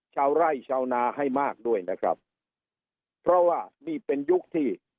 ชาวไร่ชาวนาให้มากด้วยนะครับเพราะว่านี่เป็นยุคที่